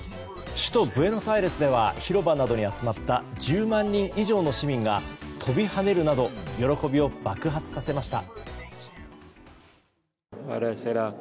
首都ブエノスアイレスでは広場などに集まった１０万人以上の市民が飛び跳ねるなど喜びを爆発させました。